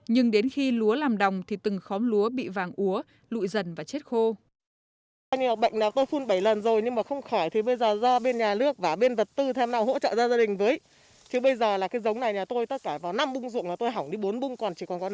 nhưng đến khi lúa làm đồng thì từng khóm lúa bị vàng úa lụi dần và chết khô